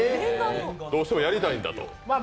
どうしてもやりたいんだと。